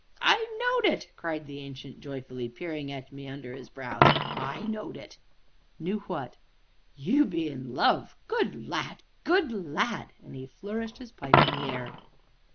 "I knowed it!" cried the Ancient joyfully, peering at me under his brows; "I knowed it!" "Knew what?" "You be in love good lad! good lad!" and he flourished his pipe in the air.